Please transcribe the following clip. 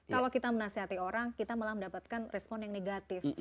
kalau kita menasehati orang kita malah mendapatkan respon yang negatif